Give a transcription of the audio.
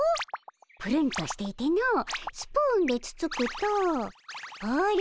ぷるんとしていてのスプーンでつつくとほれ